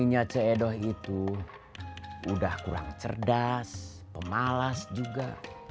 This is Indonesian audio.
kakinya ce edo itu udah kurang cerdas pemalas juga